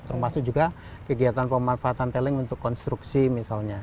termasuk juga kegiatan pemanfaatan teling untuk konstruksi misalnya